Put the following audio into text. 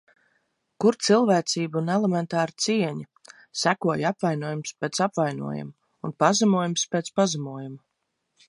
Kur cilvēcība un elementāra cieņa? Sekoja apvainojums pēc apvainojuma un pazemojums pēc pazemojuma.